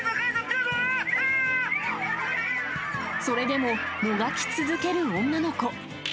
それでももがき続ける女の子。